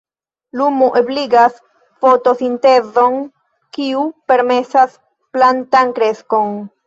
Lumo ebligas fotosintezon, kiu permesas plantan kreskon.